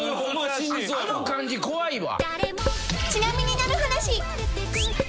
あの漢字怖いわ。